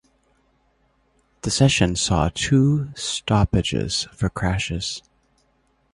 The session saw two stoppages for crashes.